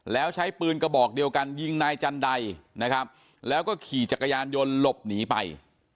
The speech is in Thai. แล้วใช้ปืนกระบอกเดียวกันยิงนายจันไดนะครับแล้วก็ขี่จักรยานยนต์หลบหนีไป